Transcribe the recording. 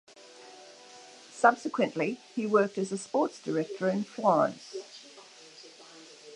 Subsequently he worked as a sports director in Florence.